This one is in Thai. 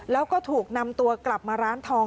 แล้วก็ถูกนำตัวกลับมาร้านทอง